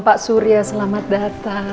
pak surya selamat datang